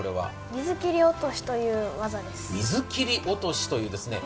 水切り落としという技です。